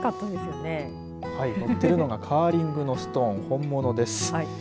のっているのがカーリングのストーン、本物です。